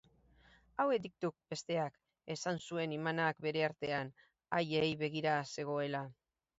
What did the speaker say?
Hauek dituk besteak, esan zuen imanak bere artean, haiei begira zegoela.